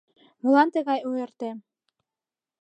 Молан тыгай ойыртем?